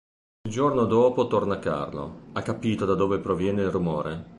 Il giorno dopo torna Carlo: ha capito da dove proviene il rumore.